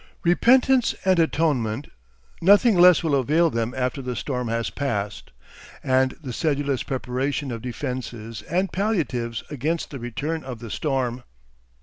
Repentance and atonement; nothing less will avail them after the storm has passed, and the sedulous preparation of defences and palliatives against the return of the storm.